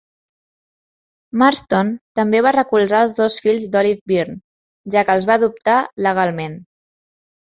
Marston també va recolzar els dos fills d'Olive Byrne, ja que els va adoptar legalment.